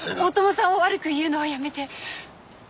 大友さんを悪く言うのはやめて！